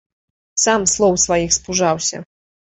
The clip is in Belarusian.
Сам слоў сваіх спужаўся.